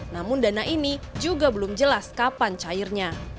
namun dana ini juga belum jelas kapan cairnya